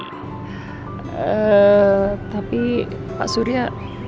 ee tapi pak surya